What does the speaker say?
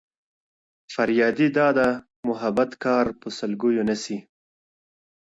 • فريادي داده محبت کار په سلگيو نه سي.